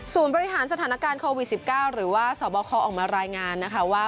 บริหารสถานการณ์โควิด๑๙หรือว่าสบคออกมารายงานนะคะว่า